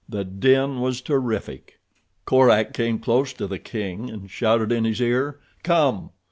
The din was terrific. Korak came close to the king and shouted in his ear, "Come."